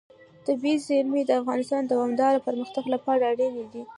طبیعي زیرمې د افغانستان د دوامداره پرمختګ لپاره اړین دي.